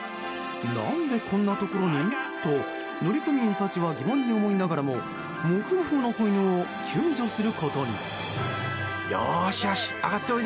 何でこんなところに？と乗組員たちは疑問に思いながらももふもふの子犬を救助することに。